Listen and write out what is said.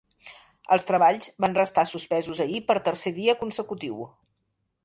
Els treballs van restar suspesos ahir per tercer dia consecutiu.